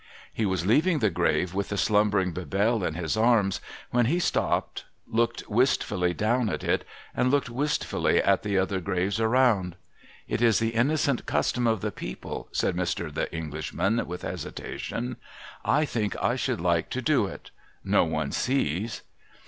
He was leaving the grave with the slumbering Bebelle in his arms, Avhen he stopped, looked wistfully down at it, and looked wistfully at the other graves around. ' It is the innocent custom of the people,' said Mr. The Englishman, with hesitation. ' I think I should like to do it. No one sees.'